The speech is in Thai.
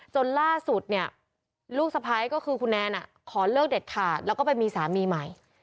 จนล่าสุดเนี่ยลูกสะพ้ายก็คือคุณแนนขอเลิกเด็ดขาดแล้วก็ไปมีสามีใหม่